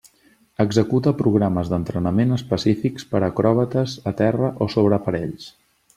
Executa programes d'entrenament específics per acròbates a terra o sobre aparells.